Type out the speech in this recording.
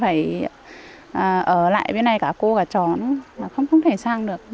phải ở lại bên này cả cô cả trò nữa không thể sang được